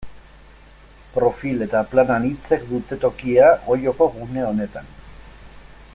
Profil eta plan anitzek dute tokia Olloko gune honetan.